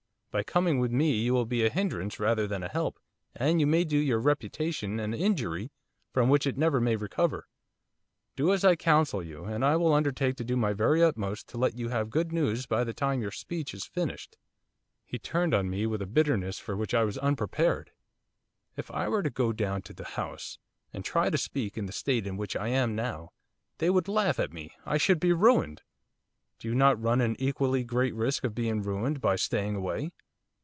By coming with me you will be a hindrance rather than a help, and you may do your reputation an injury from which it never may recover. Do as I counsel you, and I will undertake to do my very utmost to let you have good news by the time your speech is finished.' He turned on me with a bitterness for which I was unprepared. 'If I were to go down to the House, and try to speak in the state in which I am now, they would laugh at me, I should be ruined.' 'Do you not run an equally great risk of being ruined by staying away?